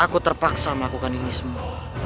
aku terpaksa melakukan ini semua